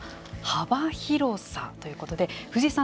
幅広さということで藤井さん